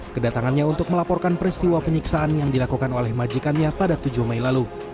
kedatangannya untuk melaporkan peristiwa penyiksaan yang dilakukan oleh majikannya pada tujuh mei lalu